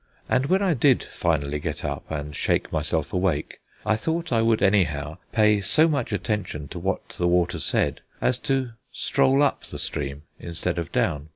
And when I did finally get up and shake myself awake I thought I would anyhow pay so much attention to what the water said as to stroll up the stream instead of down.